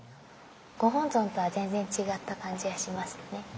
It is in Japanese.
ご本尊とは全然違った感じがしますよね。